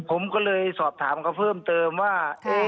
ผมก็เลยสอบถามเขาเพิ่มเติมว่า